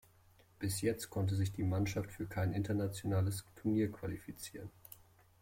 Bis jetzt konnte sich die Mannschaft für kein internationales Turnier qualifizieren.